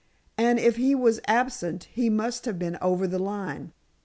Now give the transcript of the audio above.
And, if he was absent, he must have been over the line.